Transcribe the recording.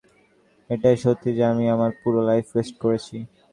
এটাই সত্যি যে আমি আমার পুরো লাইফ ওয়েস্ট করেছি!